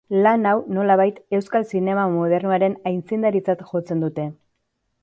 Lan hau nolabait euskal zinema modernoaren aitzindaritzat jotzen dute.